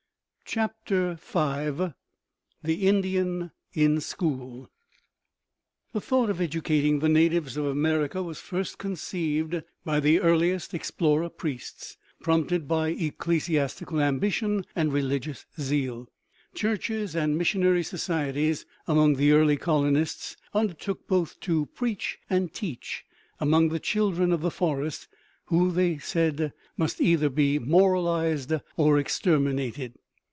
CHAPTER V THE INDIAN IN SCHOOL The thought of educating the natives of America was first conceived by the earliest explorer priests, prompted by ecclesiastical ambition and religious zeal. Churches and missionary societies among the early colonists undertook both to preach and teach among the children of the forest, who, said they, "must either be moralized or exterminated."